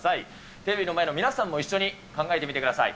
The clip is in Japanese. テレビの前の皆さんも一緒に考えてみてください。